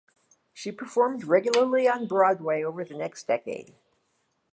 She performed regularly on Broadway over the next decade.